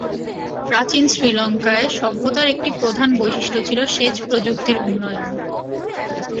প্রাচীন শ্রীলংকায় সভ্যতার একটি প্রধান বৈশিষ্ট্য ছিল সেচ প্রযুক্তির উন্নয়ন।